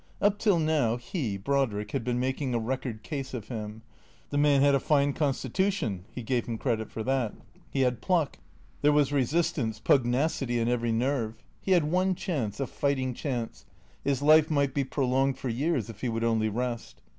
Up till now, he, Brodrick, had been making a record case of him. The man had a fine constitution (he gave him credit for that) ; he had pluck; there was resistance, pugnacity in every nerve. He had one chance, a fighting chance. His life might be prolonged for years, if he would only rest.